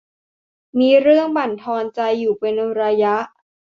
มีเรื่องบั่นทอนใจอยู่เป็นระยะ